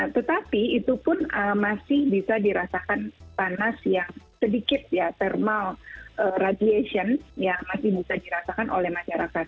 tetapi itu pun masih bisa dirasakan panas yang sedikit ya thermal radiation yang masih bisa dirasakan oleh masyarakat